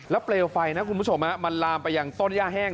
เปลวไฟนะคุณผู้ชมมันลามไปยังต้นย่าแห้ง